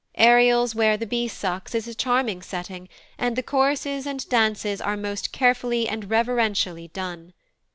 Ariel's "Where the bee sucks" is a charming setting, and the choruses and dances are most carefully and reverentially done.